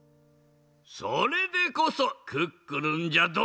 それでこそクックルンじゃドン！